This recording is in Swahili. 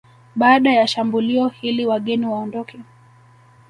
Baada ya shambulio hili wageni waondoke